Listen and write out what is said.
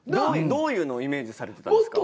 どういうのをイメージされてたんですか？